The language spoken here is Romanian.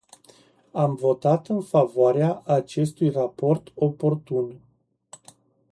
Am votat în favoarea acestui raport oportun.